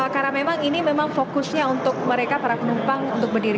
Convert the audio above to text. karena memang ini fokusnya untuk mereka para penumpang untuk berdiri